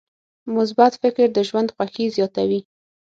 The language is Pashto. مثبت فکر د ژوند خوښي زیاتوي.